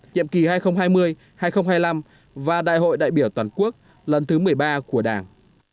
nhiệm kỳ hai nghìn hai mươi hai nghìn hai mươi năm và đại hội đại biểu toàn quốc lần thứ một mươi ba của đảng